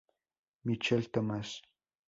Michel, Thomas.